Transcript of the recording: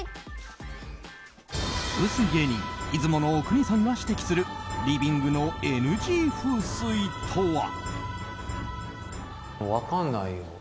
芸人・出雲阿国さんが指摘するリビングのＮＧ風水とは？